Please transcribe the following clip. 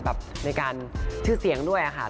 ในการชื่อเสียงด้วยค่ะ